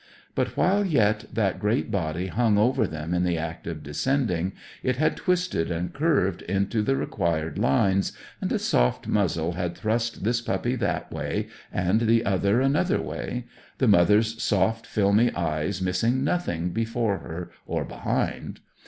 But, while yet that great body hung over them in the act of descending, it had twisted and curved into the required lines, and a soft muzzle had thrust this puppy that way, and the other another way; the mother's soft, filmy eyes missing nothing before her or behind.